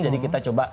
jadi kita coba lihat